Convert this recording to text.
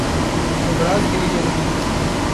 سرفراز کے لیے پہلی تین